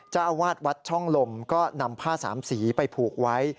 เจ้าอาวาสวัดช่องลมก็นำผ้าสามสีไปผูกไว้